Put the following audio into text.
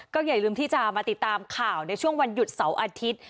ก็อย่าลืมที่จะมาติดตามข่าวในช่วงวันหยุดเสาร์อาทิตย์